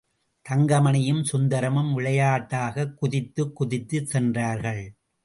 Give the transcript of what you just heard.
தங்கமணியும் சுந்தரமும் விளையாட்டாகக் குதித்துக் குதித்துச் சென்றார்கள்.